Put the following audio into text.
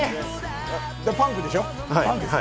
パンクでしょ？